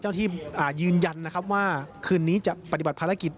เจ้าหน้าที่ยืนยันว่าคืนนี้จะปฏิบัติภารกิจ